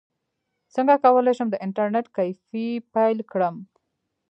څنګه کولی شم د انټرنیټ کیفې پیل کړم